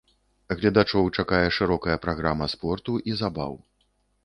Гледачоў чакае шырокая праграма спорту і забаў.